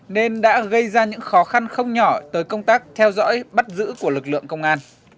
nên đã gây ra những khó khăn không nhỏ tới công tác theo dõi bắt giữ của lực lượng công an